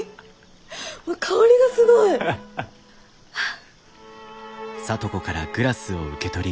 香りがすごい！はあ。